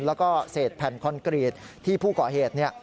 แล้วก็เศษแผ่นคอนกรีตที่ผู้ก่อเหตุเนี่ย